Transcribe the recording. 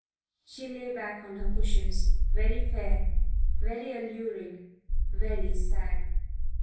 She lay back on her cushions, very fair, very alluring, very sad.